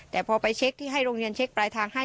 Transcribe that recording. แต่พอไปเช็คที่ให้โรงเรียนเช็คปลายทางให้